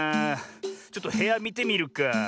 ちょっとへやみてみるか。